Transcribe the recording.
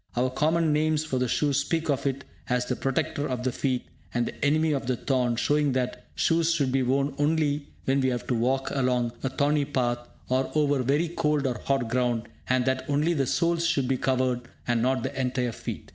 Our common names for the shoe speak of it as the "protector of the feet" and the "enemy of the thorn" showing that shoes should be worn only when we have to walk along a thorny path, or over very cold or hot ground, and that only the soles should be covered, and not the entire feet.